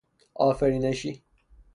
آفرینشی